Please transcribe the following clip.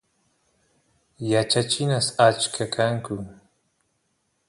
yachachinas achka kanku